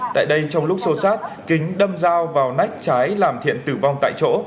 tại đây trong lúc sâu sát kính đâm dao vào nách trái làm thiện tử vong tại chỗ